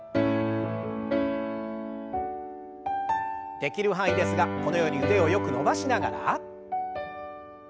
できる範囲ですがこのように腕をよく伸ばしながら。